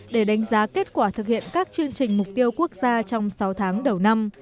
để đánh giá kết quả thực hiện các chương trình mục tiêu quốc gia trong sáu tháng đầu năm